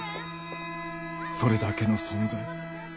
それだけの存在。